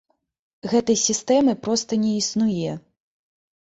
Гэтай сістэмы проста не існуе.